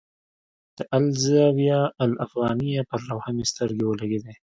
د الزاویة الافغانیه پر لوحه مې سترګې ولګېدې.